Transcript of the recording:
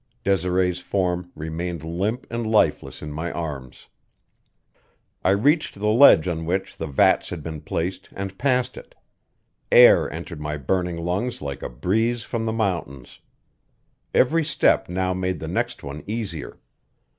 Desiree's form remained limp and lifeless in my arms. I reached the ledge on which the vats had been placed and passed it; air entered my burning lungs like a breeze from the mountains. Every step now made the next one easier.